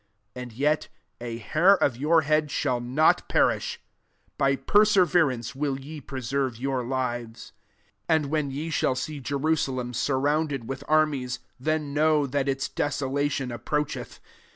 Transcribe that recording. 18 And yet a hair of your head shall not perish. 19 By perseverance will ye pre serve your lives. 20 " And when ye shall see Jerusalem surrounded with ar mies, then know that its deso lation approacheth.